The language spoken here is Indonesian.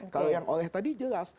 kalau yang oleh tadi jelas